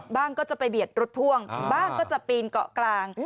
ก็จะไปเบียดรถพ่วงบ้างก็จะปีนเกาะกลาง